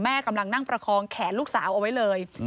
กำลังนั่งประคองแขนลูกสาวเอาไว้เลย